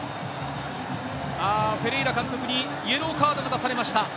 フェレイラ監督にイエローカードが出されました。